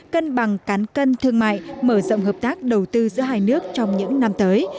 cân bằng cán cân thương mại mở rộng hợp tác đầu tư giữa hai nước trong những năm tới